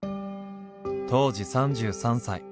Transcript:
当時３３歳。